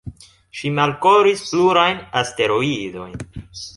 Ŝi malkovris plurajn asteroidojn.